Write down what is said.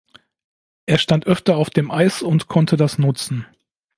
Er stand öfter auf dem Eis und konnte das nutzen.